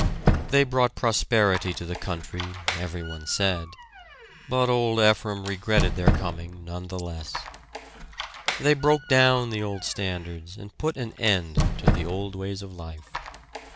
They brought prosperity to the country, everyone said, but old Ephraim regretted their coming, none the less. They broke down the old standards, and put an end to the old ways of life.